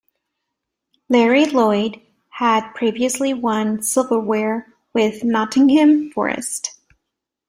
Larry Lloyd had previously won silverware with Nottingham Forest.